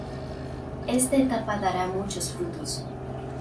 Esta etapa dará muchos frutos.